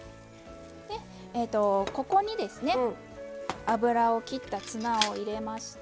ここにですね油をきったツナを入れまして。